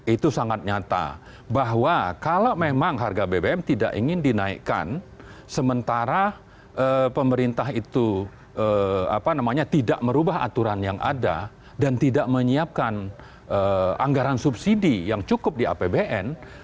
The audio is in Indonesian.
itu sangat nyata bahwa kalau memang harga bbm tidak ingin dinaikkan sementara pemerintah itu tidak merubah aturan yang ada dan tidak menyiapkan anggaran subsidi yang cukup di apbn